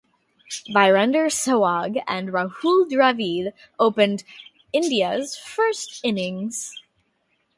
Virender Sehwag and Rahul Dravid opened India's first innings.